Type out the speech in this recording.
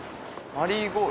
マリーゴールド！